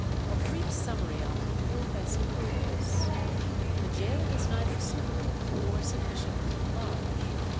A brief summary of them will best prove this. The gaol was neither suitable nor sufficiently large.